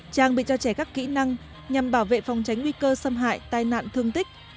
trang bị cho trẻ các kỹ năng nhằm bảo vệ phòng tránh nguy cơ xâm hại tai nạn thương tích